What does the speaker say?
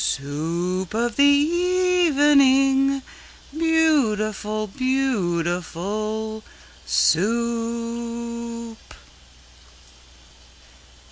Soo oop of the e e evening, Beautiful, beauti FUL SOUP!